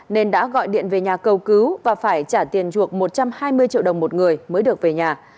nên đã gọi điện về nhà cầu cứu và phải trả tiền chuộc một trăm hai mươi triệu đồng một người mới được về nhà